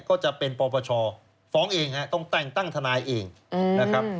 ก็จะเป็นปปชฟ้องเองฮะต้องแต่งตั้งทนายเองนะครับ